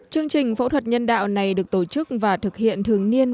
chương trình phẫu thuật nhân đạo này được tổ chức và thực hiện thường niên